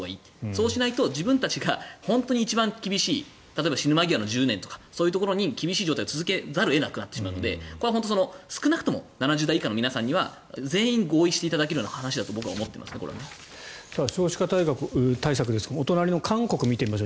そうしないと自分たちが本当に一番厳しい死ぬ間際の１０年とかに厳しい状態を続けざるを得ないと思うのでこれは少なくとも７０代以下の皆さんには全員合意していただける話だと少子化対策ですがお隣の韓国を見てみます。